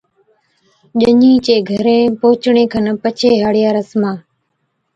ڄَڃِي چي گھرين پھچڻي کن پڇي ھاڙِيا رسمان